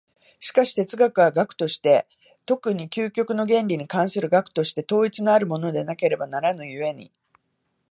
しかし哲学は学として、特に究極の原理に関する学として、統一のあるものでなければならぬ故に、